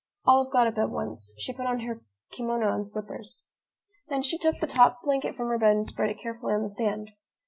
Olive got up at once. She put on her kimono and her slippers. Then she took the top blanket from her bed and spread it carefully on the sand.